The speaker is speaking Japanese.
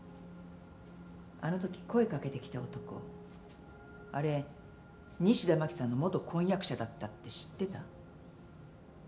あのとき声かけてきた男あれ西田真紀さんの元婚約者だったって知ってた？